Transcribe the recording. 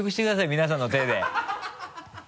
皆さんの手で。